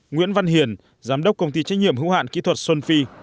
nguyễn văn hiền giám đốc công ty trách nhiệm hữu hạn kỹ thuật xuân phi